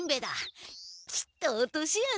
きっと落とし穴に。